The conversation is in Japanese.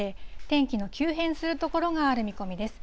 天気の急変する所がある見込みです。